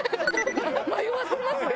迷わせますね！